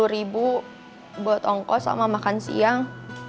enam puluh ribu buat ongkos sama makan siang